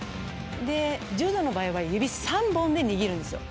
で柔道の場合は指３本で握るんですよ。